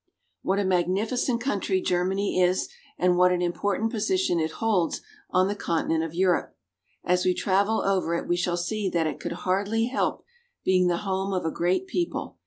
What a magnificent country Germany is and what an important position it holds on the continent of Europe ! As we travel over it we shall see that it could hardly help being the home of a great people.